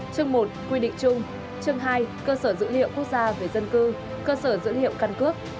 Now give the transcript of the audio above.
chương một quy định chung chương hai cơ sở dữ liệu quốc gia về dân cư cơ sở dữ liệu căn cước